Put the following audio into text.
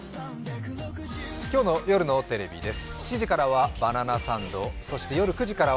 今日の夜のテレビです。